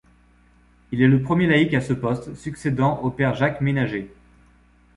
Il est le premier laïc à ce poste, succédant au Père Jacques Ménager.